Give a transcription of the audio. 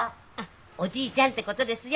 おじいちゃんってことですよ。